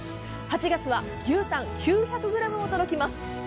８月は牛タン９００ｇも届きます。